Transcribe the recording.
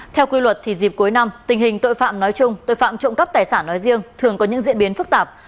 theo quy luật thì dịp cuối năm tình hình tội phạm nói chung tội phạm trộm cắp tài sản nói riêng thường có những diễn biến phức tạp